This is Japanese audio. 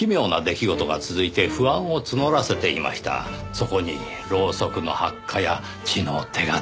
そこにろうそくの発火や血の手形。